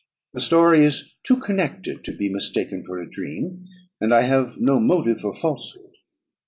The story is too connected to be mistaken for a dream, and I have no motive for falsehood."